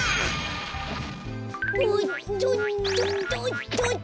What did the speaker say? おっとっとっとっとっと。